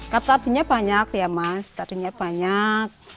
katanya banyak ya mas tadinya banyak